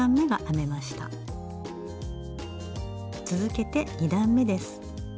続けて２段めです。